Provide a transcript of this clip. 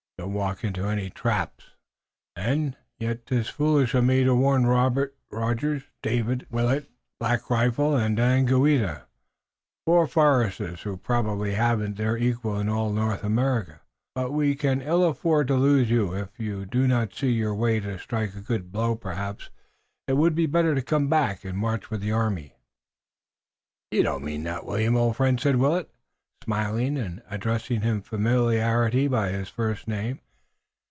Do not walk into any trap! And yet 'tis foolish of me to warn Robert Rogers, David Willet, Black Rifle and Daganoweda, four foresters who probably haven't their equal in all North America. But we can ill afford to lose you. If you do not see your way to strike a good blow perhaps it would be better to come back and march with the army." "You don't mean that, William, old friend," said Willet, smiling and addressing him familiarly by his first name.